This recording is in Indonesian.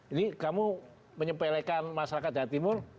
ini kamu menyepelekan masyarakat jawa timur